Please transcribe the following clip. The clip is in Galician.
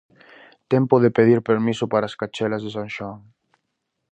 Tempo de pedir permiso para as cachelas de San Xoán.